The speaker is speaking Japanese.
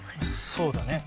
そうだね。